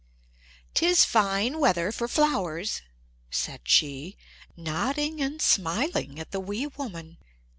"'Tis fine weather for flowers," said she, nodding and smiling at the wee woman.